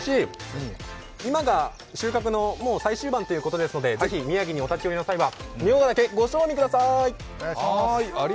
今が収穫の最終盤ということですので、ぜひ宮城にお立ち寄りの際は、ミョウガダケ、ご賞味ください！